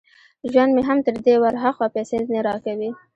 ژوند مې هم تر دې ور هاخوا پيسې نه را کوي.